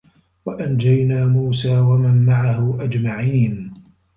وَأَنجَينا موسى وَمَن مَعَهُ أَجمَعينَ